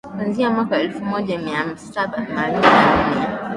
kuanzia mwaka elfu moja mia saba themanini na nne